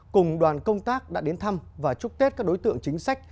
cùng đoàn công tác đã đến thăm và chúc tết các đối tượng chính sách